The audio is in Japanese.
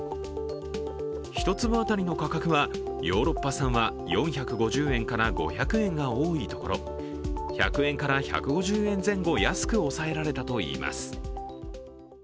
１粒当たりの価格はヨーロッパ産は４５０円から５００円が多いところ、１００円から１５０円前後安く抑えられたといいます。